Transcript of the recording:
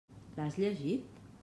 L'has llegit?